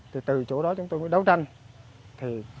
thì từ chỗ đó chúng tôi mới đấu tranh